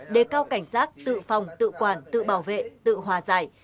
để cao cảnh giác tự phòng tự quản tự bảo vệ tự hòa giải